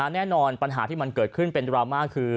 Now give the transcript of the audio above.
แน่นอนปัญหาที่มันเกิดขึ้นเป็นดราม่าคือ